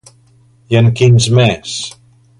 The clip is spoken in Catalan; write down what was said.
I en quins més?